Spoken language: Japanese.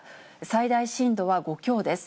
最大震度は５強です。